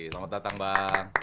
selamat datang bang